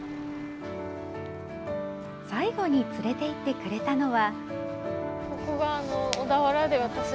最後に連れていってくれたのは。